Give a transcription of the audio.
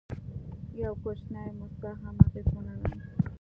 یو کوچنی موسکا هم اغېزمنه ده.